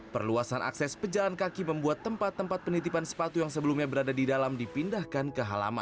perluasan akses pejalan kaki membuat tempat tempat penitipan sepatu yang sebelumnya berada di dalam dipindahkan ke halaman